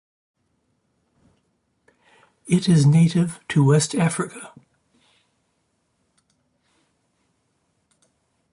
It is native to West Africa.